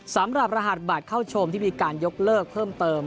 สำหรับรหัสบัตรเข้าชมที่มีการยกเลิกเพิ่มเติม